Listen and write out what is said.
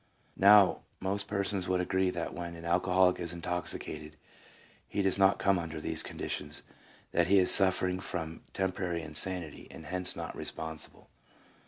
Now, most persons would agree that when an alcoholic is intoxicated he does not come under these conditions ; that he is suffering from temporary insanity, and hence not responsible.